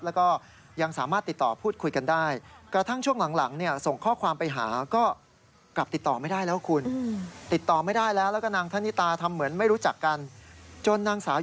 แล้วก็ยังสามารถติดต่อพูดคุยกันได้กระทั่งช่วงหลังเนี่ยส่งข้อความไปหา